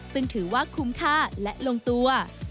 ซึ่งถือว่าคุ้มค่าและลงตัว